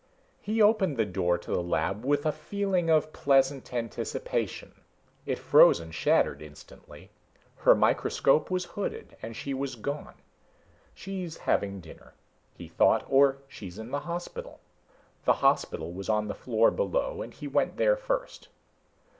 He opened the door to the lab with a feeling of pleasant anticipation. It froze and shattered instantly. Her microscope was hooded and she was gone. She's having dinner, he thought, or she's in the hospital. The hospital was on the floor below, and he went there first.